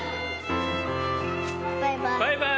バイバイ！